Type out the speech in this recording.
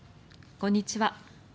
こんにちは。